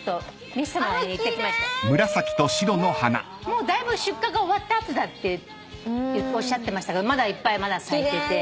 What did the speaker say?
もうだいぶ出荷が終わった後だっておっしゃってましたがまだいっぱい咲いてて。